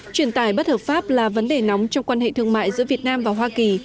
truyền tài bất hợp pháp là vấn đề nóng trong quan hệ thương mại giữa việt nam và hoa kỳ